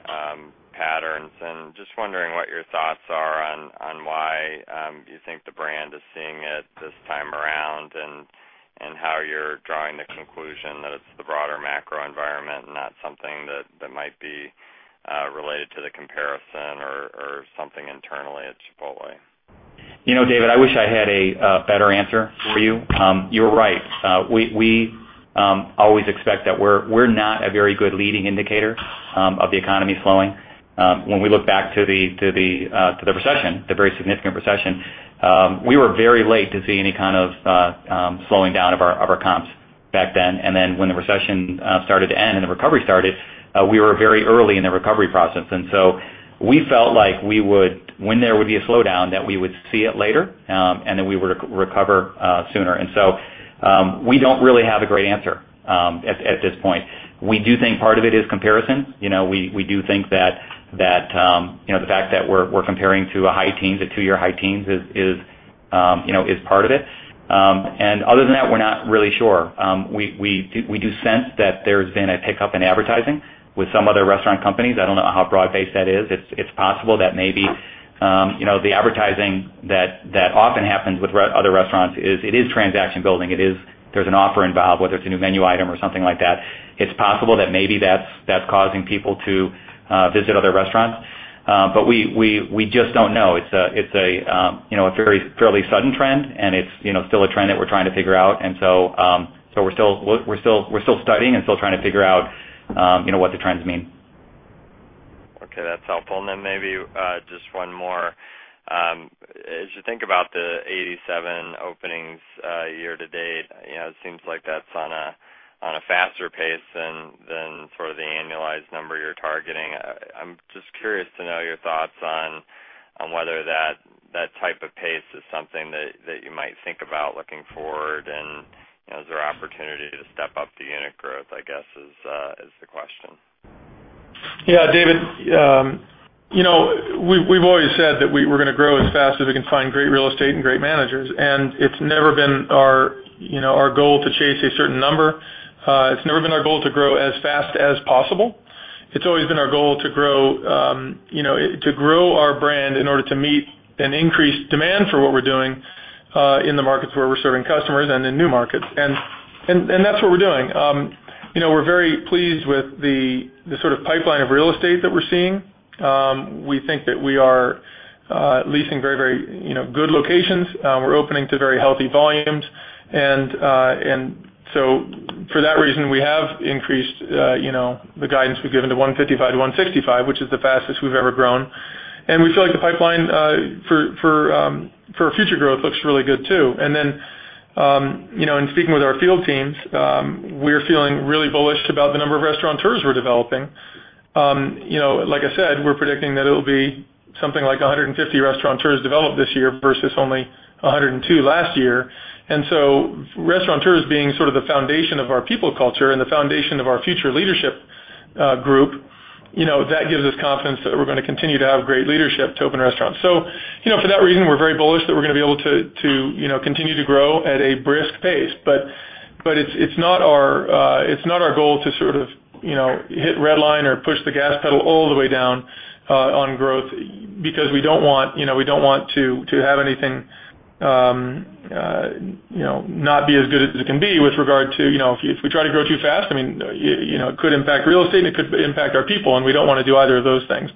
J: patterns. Just wondering what your thoughts are on why you think the brand is seeing it this time around, and how you're drawing the conclusion that it's the broader macro environment and not something that might be related to the comparison or something internally at Chipotle.
E: David, I wish I had a better answer for you. You're right. We always expect that we're not a very good leading indicator of the economy slowing. When we look back to the recession, the very significant recession, we were very late to see any kind of slowing down of our comps back then. Then when the recession started to end and the recovery started, we were very early in the recovery process. So we felt like when there would be a slowdown, that we would see it later, and that we would recover sooner. So, we don't really have a great answer at this point. We do think part of it is comparison. We do think that the fact that we're comparing to a two-year high teens is part of it. Other than that, we're not really sure. We do sense that there's been a pickup in advertising with some other restaurant companies. I don't know how broad-based that is. It's possible that maybe the advertising that often happens with other restaurants is, it is transaction building. There's an offer involved, whether it's a new menu item or something like that. It's possible that maybe that's causing people to visit other restaurants. We just don't know. It's a fairly sudden trend, and it's still a trend that we're trying to figure out. So we're still studying and still trying to figure out what the trends mean.
J: Okay. That's helpful. Then maybe just one more. As you think about the 87 openings year to date, it seems like that's on a faster pace than the annualized number you're targeting. I'm just curious to know your thoughts on whether that type of pace is something that you might think about looking forward, and is there opportunity to step up the unit growth, I guess is the question.
D: Yeah, David, we've always said that we're going to grow as fast as we can find great real estate and great managers, it's never been our goal to chase a certain number. It's never been our goal to grow as fast as possible. It's always been our goal to grow our brand in order to meet an increased demand for what we're doing, in the markets where we're serving customers and in new markets. That's what we're doing. We're very pleased with the sort of pipeline of real estate that we're seeing. We think that we are leasing very good locations. We're opening to very healthy volumes. So for that reason, we have increased the guidance we've given to 155 to 165, which is the fastest we've ever grown. We feel like the pipeline for future growth looks really good too. In speaking with our field teams, we're feeling really bullish about the number of restaurateurs we're developing. Like I said, we're predicting that it'll be something like 150 restaurateurs developed this year versus only 102 last year. Restaurateurs being sort of the foundation of our people culture and the foundation of our future leadership group, that gives us confidence that we're going to continue to have great leadership to open restaurants. For that reason, we're very bullish that we're going to be able to continue to grow at a brisk pace. It's not our goal to sort of hit red line or push the gas pedal all the way down on growth, because we don't want to have anything not be as good as it can be with regard to if we try to grow too fast, it could impact real estate and it could impact our people, and we don't want to do either of those things.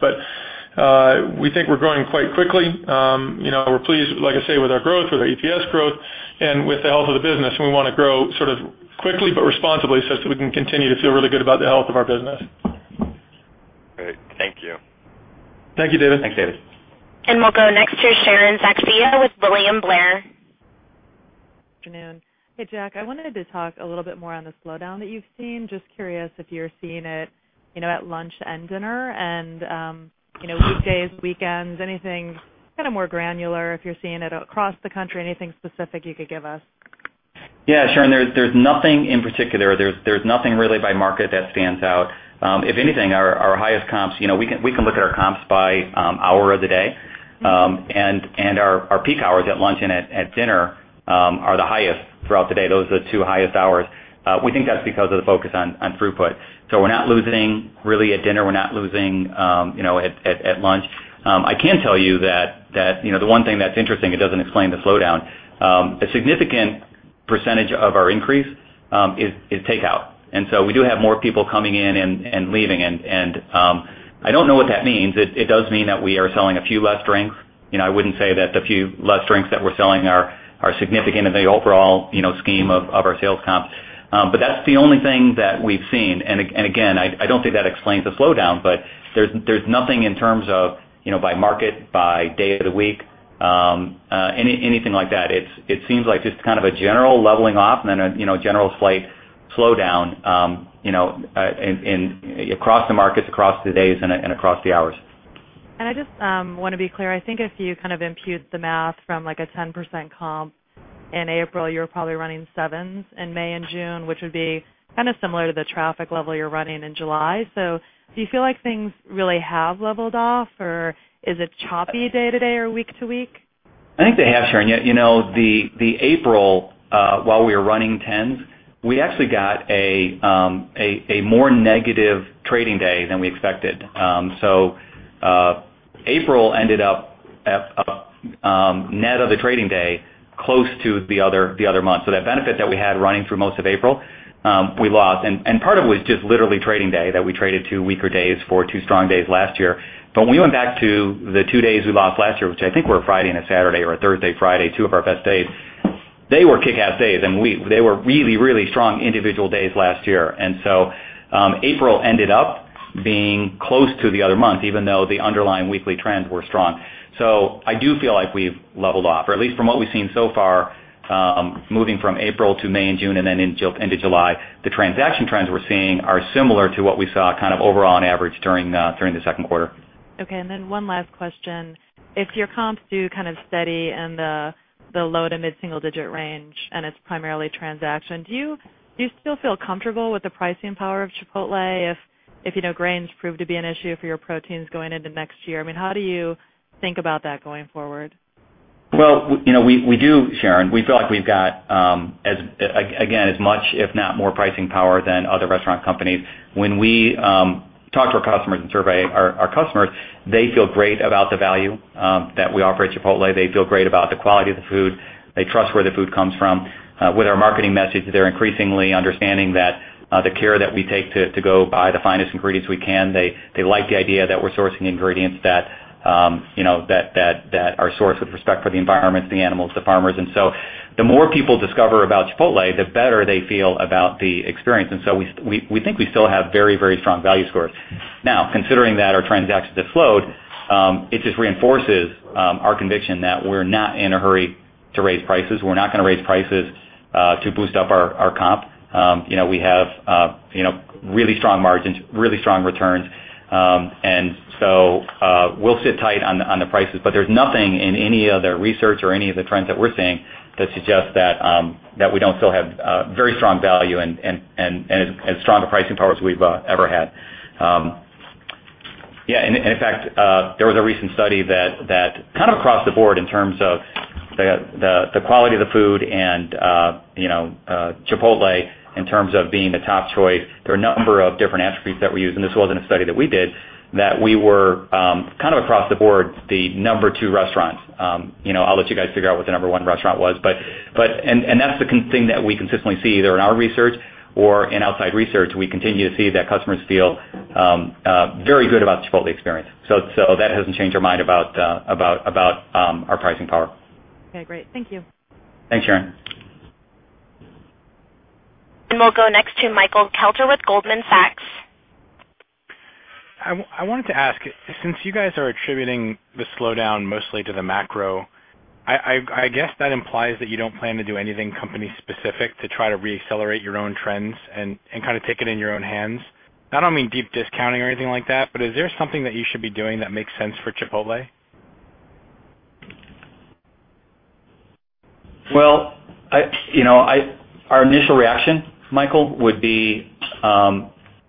D: We think we're growing quite quickly. We're pleased, like I say, with our growth, with our EPS growth and with the health of the business, and we want to grow sort of quickly but responsibly so that we can continue to feel really good about the health of our business.
J: Great. Thank you.
E: Thank you, David.
D: Thanks, David.
A: We'll go next to Sharon Zackfia with William Blair.
K: Good afternoon. Hey, Jack, I wanted to talk a little bit more on the slowdown that you've seen. Just curious if you're seeing it at lunch and dinner and weekdays, weekends, anything kind of more granular if you're seeing it across the country, anything specific you could give us?
E: Yeah, Sharon, there's nothing in particular. There's nothing really by market that stands out. If anything, our highest comps, we can look at our comps by hour of the day, and our peak hours at lunch and at dinner are the highest throughout the day. Those are the two highest hours. We think that's because of the focus on throughput. We're not losing really at dinner. We're not losing at lunch. I can tell you that the one thing that's interesting, it doesn't explain the slowdown. A significant percentage of our increase is takeout, we do have more people coming in and leaving, and I don't know what that means. It does mean that we are selling a few less drinks. I wouldn't say that the few less drinks that we're selling are significant in the overall scheme of our sales comp. That's the only thing that we've seen, again, I don't think that explains the slowdown, but there's nothing in terms of by market, by day of the week, anything like that. It seems like just kind of a general leveling off and a general slight slowdown across the markets, across the days, and across the hours.
K: I just want to be clear. I think if you kind of impute the math from a 10% comp in April, you're probably running 7s in May and June, which would be kind of similar to the traffic level you're running in July. Do you feel like things really have leveled off, or is it choppy day to day or week to week?
E: I think they have, Sharon. The April, while we were running 10s, we actually got a more negative trading day than we expected. April ended up net of the trading day close to the other month. That benefit that we had running through most of April, we lost, and part of it was just literally trading day, that we traded two weaker days for two strong days last year. When we went back to the two days we lost last year, which I think were a Friday and a Saturday or a Thursday, Friday, two of our best days, they were kickass days, and they were really, really strong individual days last year. April ended up being close to the other month, even though the underlying weekly trends were strong. I do feel like we've leveled off, or at least from what we've seen so far, moving from April to May and June, and then into July, the transaction trends we're seeing are similar to what we saw kind of overall on average during the second quarter.
K: Okay, one last question. If your comps do kind of steady in the low to mid-single-digit range, and it's primarily transaction, do you still feel comfortable with the pricing power of Chipotle if grains prove to be an issue for your proteins going into next year? How do you think about that going forward?
E: Well, we do, Sharon Zackfia. We feel like we've got, again, as much, if not more pricing power than other restaurant companies. When we talk to our customers and survey our customers, they feel great about the value that we offer at Chipotle. They feel great about the quality of the food. They trust where the food comes from. With our marketing message, they're increasingly understanding that the care that we take to go buy the finest ingredients we can, they like the idea that we're sourcing ingredients that are sourced with respect for the environment, the animals, the farmers. The more people discover about Chipotle, the better they feel about the experience, and so we think we still have very strong value scores. Now, considering that our transaction has slowed, it just reinforces our conviction that we're not in a hurry to raise prices. We're not going to raise prices to boost up our comp. We have really strong margins, really strong returns, we'll sit tight on the prices. There's nothing in any of the research or any of the trends that we're seeing that suggests that we don't still have very strong value and as strong a pricing power as we've ever had. There was a recent study that kind of across the board in terms of the quality of the food and Chipotle in terms of being the top choice. There were a number of different attributes that were used, and this wasn't a study that we did, that we were, kind of across the board, the number 2 restaurant. I'll let you guys figure out what the number 1 restaurant was. That's the thing that we consistently see either in our research or in outside research. We continue to see that customers feel very good about the Chipotle experience. That hasn't changed our mind about our pricing power.
K: Okay, great. Thank you.
E: Thanks, Sharon.
A: We'll go next to Michael Kelter with Goldman Sachs.
L: I wanted to ask, since you guys are attributing the slowdown mostly to the macro, I guess that implies that you don't plan to do anything company specific to try to re-accelerate your own trends and kind of take it in your own hands. I don't mean deep discounting or anything like that, but is there something that you should be doing that makes sense for Chipotle?
E: Well, our initial reaction, Michael, would be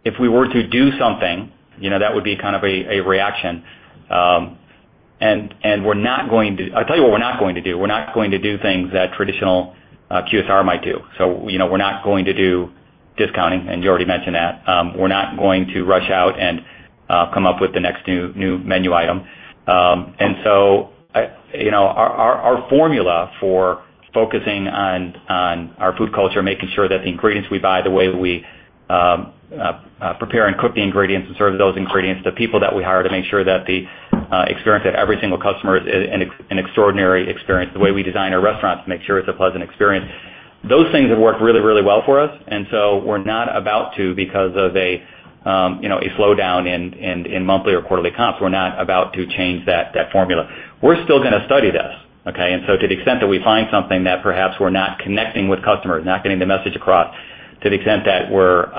E: if we were to do something, that would be kind of a reaction. I'll tell you what we're not going to do. We're not going to do things that traditional QSR might do. We're not going to do discounting, and you already mentioned that. We're not going to rush out and come up with the next new menu item. Our formula for focusing on our food culture, making sure that the ingredients we buy, the way we prepare and cook the ingredients and serve those ingredients, the people that we hire to make sure that the experience of every single customer is an extraordinary experience, the way we design our restaurants to make sure it's a pleasant experience. Those things have worked really well for us. We're not about to because of a slowdown in monthly or quarterly comps. We're not about to change that formula. We're still going to study this, okay? To the extent that we find something that perhaps we're not connecting with customers, not getting the message across
C: To the extent that we're,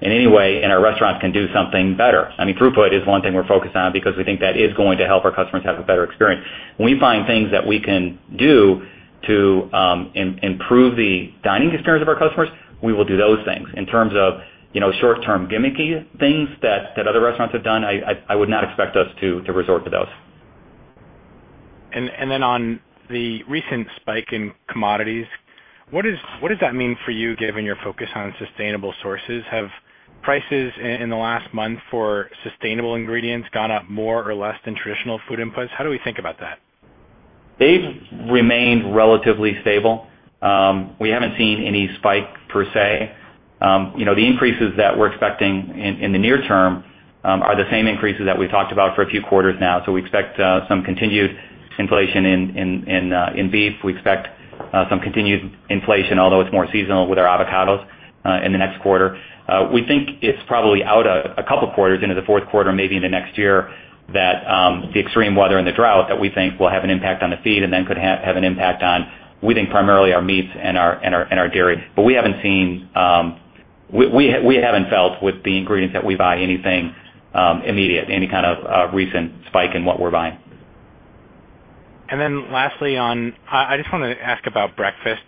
C: in any way in our restaurants, can do something better. Throughput is one thing we're focused on because we think that is going to help our customers have a better experience. When we find things that we can do to improve the dining experience of our customers, we will do those things. In terms of short-term gimmicky things that other restaurants have done, I would not expect us to resort to those.
L: On the recent spike in commodities, what does that mean for you given your focus on sustainable sources? Have prices in the last month for sustainable ingredients gone up more or less than traditional food inputs? How do we think about that?
C: They've remained relatively stable. We haven't seen any spike per se. The increases that we're expecting in the near term are the same increases that we've talked about for a few quarters now. We expect some continued inflation in beef. We expect some continued inflation, although it's more seasonal, with our avocados in the next quarter. We think it's probably out a couple of quarters into the fourth quarter, maybe into next year, that the extreme weather and the drought that we think will have an impact on the feed and then could have an impact on, we think, primarily our meats and our dairy. We haven't felt with the ingredients that we buy anything immediate, any kind of recent spike in what we're buying.
L: Lastly on, I just want to ask about breakfast.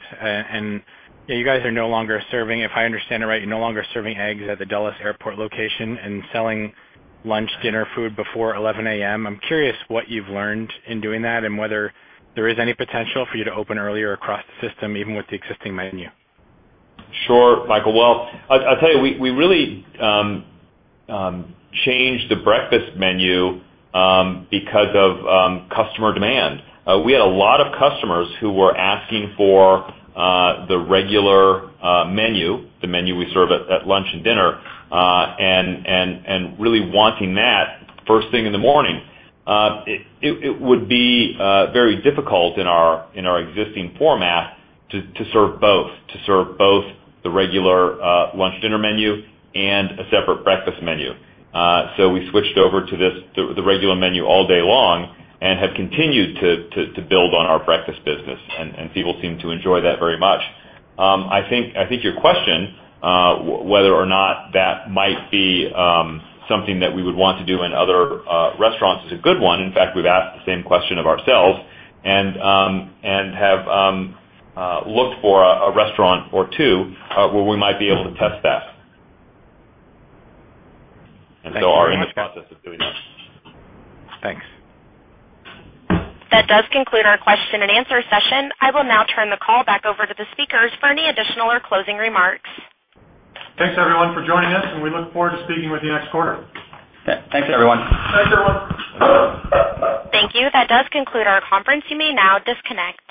L: You guys are no longer serving, if I understand it right, you're no longer serving eggs at the Dulles Airport location and selling lunch, dinner food before 11:00 A.M. I'm curious what you've learned in doing that and whether there is any potential for you to open earlier across the system, even with the existing menu.
C: Sure, Michael. Well, I'll tell you, we really changed the breakfast menu because of customer demand. We had a lot of customers who were asking for the regular menu, the menu we serve at lunch and dinner, and really wanting that first thing in the morning. It would be very difficult in our existing format to serve both the regular lunch, dinner menu and a separate breakfast menu. We switched over to the regular menu all day long and have continued to build on our breakfast business, and people seem to enjoy that very much. I think your question, whether or not that might be something that we would want to do in other restaurants, is a good one. In fact, we've asked the same question of ourselves and have looked for a restaurant or two where we might be able to test that.
L: Thank you very much.
C: Are in the process of doing that.
L: Thanks.
A: That does conclude our question and answer session. I will now turn the call back over to the speakers for any additional or closing remarks.
B: Thanks, everyone, for joining us, and we look forward to speaking with you next quarter.
C: Yeah. Thanks, everyone.
B: Thanks, everyone.
A: Thank you. That does conclude our conference. You may now disconnect.